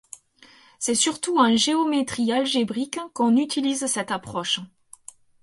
C'est surtout en géométrie algébrique qu'on utilise cette approche.